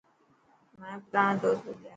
مايا پراڻا دوست مليا.